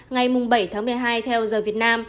ngày bảy tháng một mươi hai theo giờ việt nam